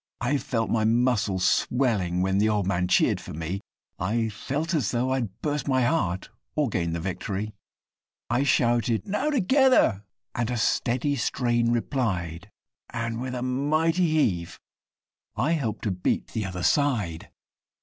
I felt my muscles swelling when the old man cheer'd for me, I felt as though I'd burst my heart, or gain the victory! I shouted, 'Now! Together!' and a steady strain replied, And, with a mighty heave, I helped to beat the other side!